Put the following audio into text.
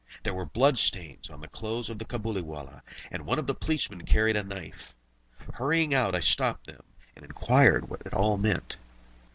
There were blood stains on the clothes of the Cabuliwallah, and one of the policemen carried a knife. Hurrying out, I stopped them, and enquired what it all meant.